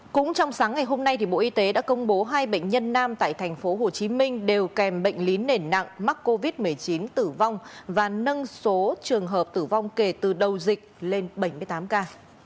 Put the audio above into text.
cũng trong sáng ngày hôm nay bộ y tế đã công bố hai bệnh nhân nam tại tp hcm đều kèm bệnh lý nền nặng mắc covid một mươi chín tử vong và nâng số trường hợp tử vong kể từ đầu dịch lên bảy mươi tám ca